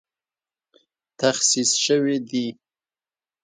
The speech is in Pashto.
تخصیص شوې دي